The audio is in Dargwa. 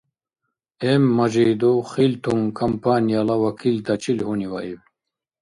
М.Мажидов «Хилтон» компанияла вакилтачил гьуниваиб